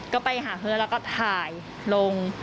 ก็ไปหาเพื่อนแล้วก็ถ่ายลง